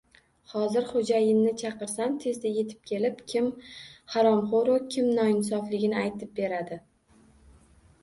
Hozir xo`jayinni chaqirsam tezda etib kelib, kim haromxo`ru kim noinsofligini aytib beradi